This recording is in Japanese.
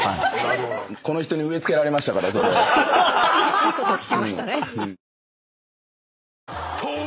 この人に植え付けられましたからそれを。